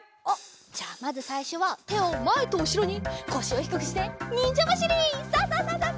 じゃあまずさいしょはてをまえとうしろにこしをひくくしてにんじゃばしり！ササササササ。